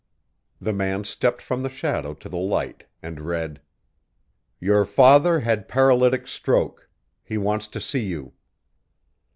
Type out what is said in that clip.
The man stepped from the shadow to the light and read: "Your father had paralytic stroke. He wants to see you."